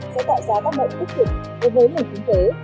sẽ tạo ra các mệnh tích cực đối với nền kinh tế